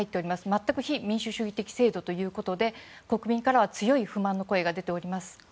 全く非民主主義的制度ということで国民からは強い不満の声が出ております。